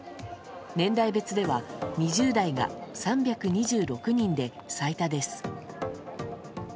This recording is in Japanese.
年代別では２０代が３２６人で最多です。